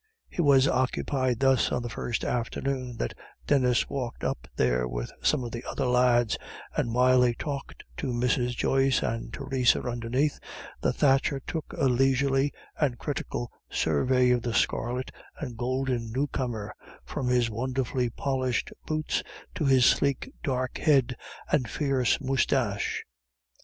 He was occupied thus on the first afternoon that Denis walked up there with some of the other lads, and while they talked to Mrs. Joyce and Theresa underneath, the thatcher took a leisurely and critical survey of the scarlet and golden newcomer, from his wonderfully polished boots to his sleek dark head and fierce moustache.